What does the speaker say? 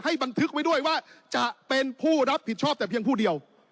บันทึกไว้ด้วยว่าจะเป็นผู้รับผิดชอบแต่เพียงผู้เดียว